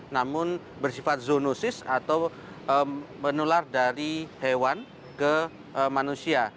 namun bersifat zoonosis atau menular dari hewan ke manusia